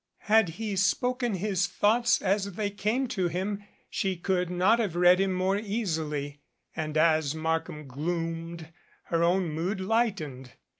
Had he spoken his thoughts as they came to him she could not have read him more easily; and, as Markham gloomed, her own mood lightened.